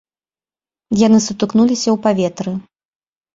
Яны сутыкнуліся ў паветры.